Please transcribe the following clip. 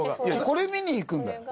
これ見に行くんだよ